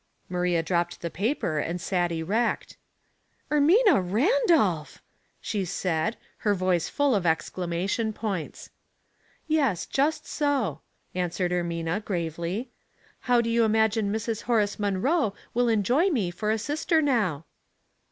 '* Maria dropped the paper and sat erect. "Ermina Randolph! " she said, her voice full of exclamation points. " Yes, just so," answered Ermina, gravely. "How do you imagine Mrs. Horace Munroe will enjoy me for a sister now